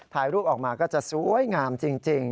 ถ่ายรูปออกมาก็จะสวยงามจริง